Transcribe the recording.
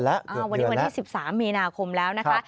วันนี้วันที่๑๓มีนาคมแล้วนะคะ